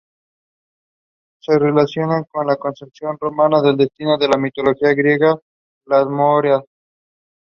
Se relaciona con la concepción romana del destino de la mitología griega, las Moiras.